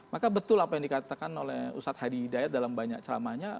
maka betul apa yang dikatakan oleh ustadz hadi hidayat dalam banyak ceramahnya